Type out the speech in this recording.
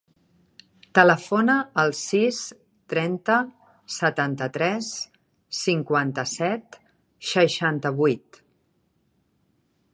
Telefona al sis, trenta, setanta-tres, cinquanta-set, seixanta-vuit.